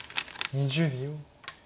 ２０秒。